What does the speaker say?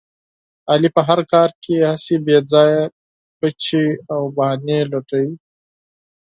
علي په هر کار کې هسې بې ځایه پچې او بهانې لټوي.